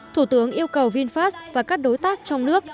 thủ tướng yêu cầu vinfast và các đối tác trong nước